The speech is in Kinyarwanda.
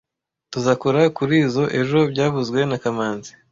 Tuzakora kurizoi ejo byavuzwe na kamanzi